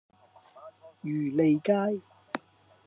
漁利街